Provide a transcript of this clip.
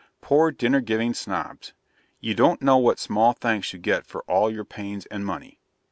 Poor Dinner giving Snobs! you don't know what small thanks you get for all your pains and money!